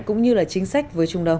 cũng như là chính sách với trung đông